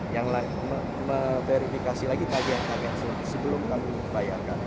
yang verifikasi lagi kajian kajian sebelum kami membayarkan